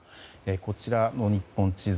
こちらの日本地図